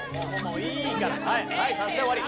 いいからはい撮影終わり！